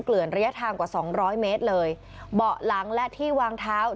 เกลืนระยะทางกว่าสองร้อยเมตรเลยเบาะหลังและที่วางเท้า